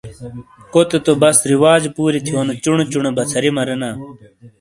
کوتے تو بس رواجی پوری تھینو چونے چونے بچھری مرینا۔